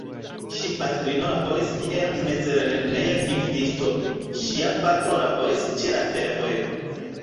Ŝi patrino laboris kiel mezlerneja gvidisto, ŝia patro laboris ĉe la fervojo.